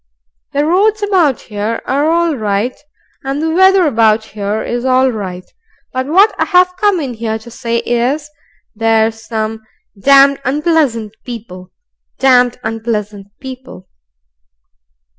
"The roads about here are all right, and the weather about here is all right, but what I've come in here to say is there's some damned unpleasant people damned unpleasant people!"